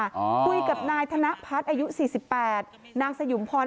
คุยกับนายธนาภัษค์อายุ๑๙๔๘นางสยุมภรณ์